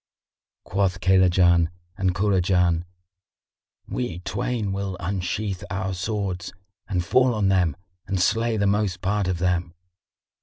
Quoth Kaylajan and Kurajan, "We twain will unsheath our swords and fall on them and slay the most part of them."